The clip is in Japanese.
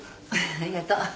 ありがとう。